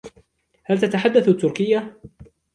هل تتحدث التركية ؟